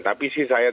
tapi sih saya tidak